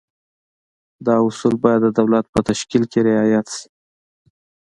دا اصول باید د دولت په تشکیل کې رعایت شي.